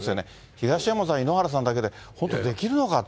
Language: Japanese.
東山さん、井ノ原さんだけで本当にできるのかと。